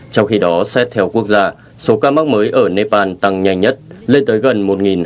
trong khi đó xét theo quốc gia số ca mắc mới ở nepal tăng nhanh nhất lên tới gần một hai trăm linh